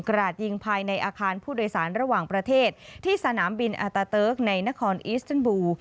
ราดยิงภายในอาคารผู้โดยสารระหว่างประเทศที่สนามบินอาตาเติร์กในนครอิสเตอร์บู